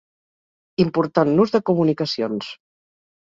Important nus de comunicacions.